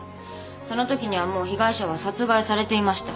そのときにはもう被害者は殺害されていました。